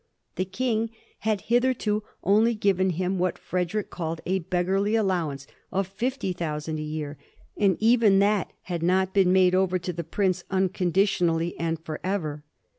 The King had hitherto only given him what Frederick called a beggarly allowance of fifty thousand a year, and even that had not been made over to the prince uncondi tionally and forever.